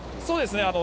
そうですね。